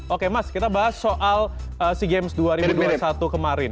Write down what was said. oke mas kita bahas soal sea games dua ribu dua puluh satu kemarin